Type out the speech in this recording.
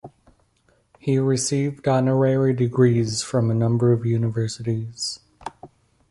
He received honorary degrees from a number of universities.